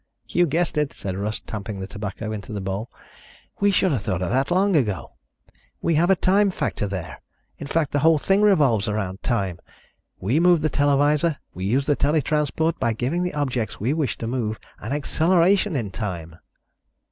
"You guessed it," said Russ, tamping the tobacco into the bowl. "We should have thought of that long ago. We have a time factor there. In fact, the whole thing revolves around time. We move the televisor, we use the tele transport, by giving the objects we wish to move an acceleration in time."